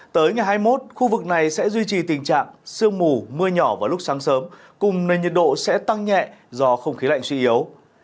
tới ngày hai mươi một khu vực này sẽ duy trì tình trạng sương mù mưa nhỏ vào lúc sáng sớm cùng nền nhiệt độ sẽ tăng nhẹ do không khí lạnh suy yếu